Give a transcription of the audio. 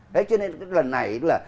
thế cho nên lần này là